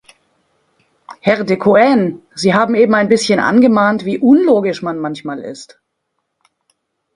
Herr De Coene, Sie haben eben ein bisschen angemahnt, wie unlogisch man manchmal ist.